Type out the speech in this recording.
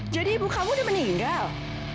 jadi ibu kamu sudah meninggal